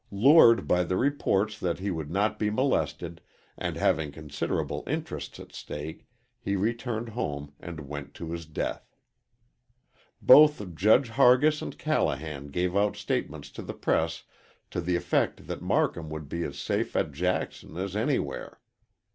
Lured by the reports that he would not be molested, and having considerable interests at stake, he returned home and went to his death. Both Judge Hargis and Callahan gave out statements to the press to the effect that Marcum would be as safe at Jackson as anywhere.